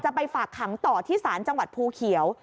ไปฝากขังต่อที่ศาลจังหวัดภูเขียว